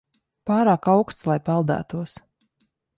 Pārāk auksts, lai peldētos.